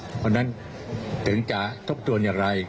เพราะฉะนั้นถึงจะทบทวนอย่างไร